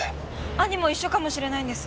兄も一緒かもしれないんです。